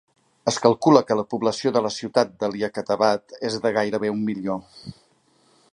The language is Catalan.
Es calcula que la població de la ciutat de Liaquatabad és de gairebé un milió.